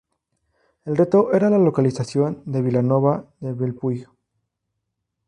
El reto era la localización: Vilanova de Bellpuig.